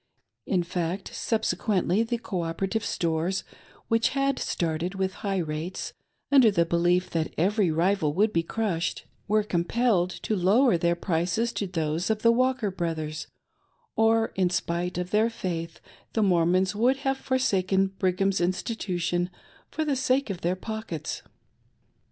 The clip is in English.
In fact, subse quently, the " Cooperative " stores, which had started with high rates, under the belief that every rival would be crushed, were compelled to lower their prices to those of the Walker Broth ers, or, in spite of their faith, the Mormons would have for saken Brigham's Institution for the sake of their pockets.